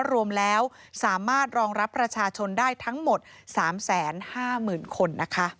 รวมแล้วสามารถรองรับประชาชนได้ทั้งหมด๓๕๐๐๐คน